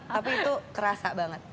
tapi itu kerasa banget